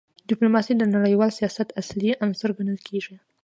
ډیپلوماسي د نړیوال سیاست اصلي عنصر ګڼل کېږي.